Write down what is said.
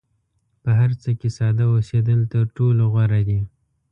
په هر څه کې ساده اوسېدل تر ټولو غوره دي.